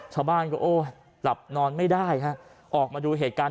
ชาวบ้านก็โอ้หลับนอนไม่ได้ฮะออกมาดูเหตุการณ์